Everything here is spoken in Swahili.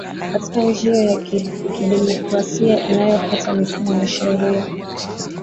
katika nchi hiyo ya kidimokrasia inayofuata mifumo ya sheria